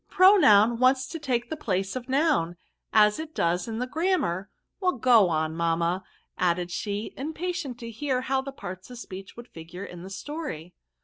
Pronoun wants to take the place of Noun, as it does in the grammar ; well, go on, mamma," added she, impatient to hear how the parts of speech would figure in the story.